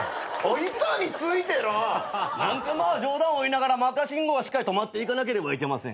板についてら！なんてまあ冗談を言いながら赤信号はしっかり止まっていかなければいけません。